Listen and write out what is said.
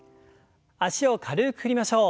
脚を軽く振りましょう。